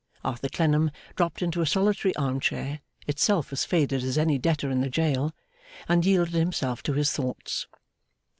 Arthur Clennam dropped into a solitary arm chair, itself as faded as any debtor in the jail, and yielded himself to his thoughts.